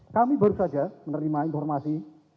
kami baru saja menerima informasi